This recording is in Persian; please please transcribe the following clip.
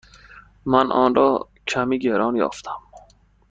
من آن را کمی گران یافتم.